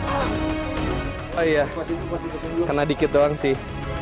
oh iya kena dikit doang sih